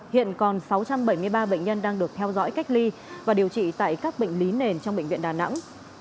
hiện còn sáu trăm bảy mươi ba bệnh nhân đang được theo dõi cách ly và điều trị tại các bệnh lý nền trong bệnh viện đà nẵng